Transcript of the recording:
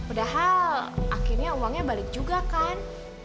padahal akhirnya uangnya balik juga kan